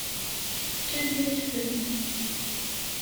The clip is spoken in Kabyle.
Fkant-ak-ten.